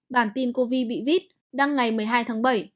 bản tin covid bị viết đăng ngày một mươi hai tháng bảy